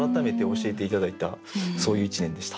そういう一年でした。